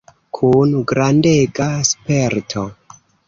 Kun grandega sperto.